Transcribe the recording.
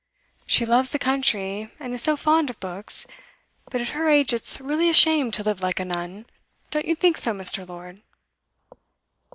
'She loves the country, and is so fond of books; but at her age it's really a shame to live like a nun don't you think so, Mr. Lord?